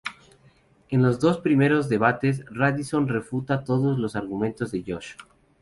En los dos primeros debates, Radisson refuta todos los argumentos de Josh.